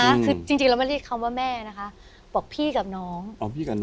จริงจริงเราไม่เรียกคำว่าแม่นะคะบอกพี่กับน้องอ๋อพี่กับน้อง